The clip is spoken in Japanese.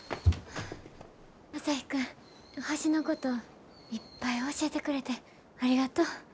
朝陽君星のこといっぱい教えてくれてありがとう。